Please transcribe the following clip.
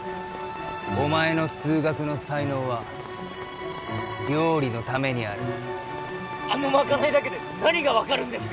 お前の数学の才能は料理のためにあるあのまかないだけで何が分かるんですか？